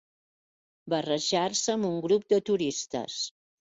Barrejar-se amb un grup de turistes.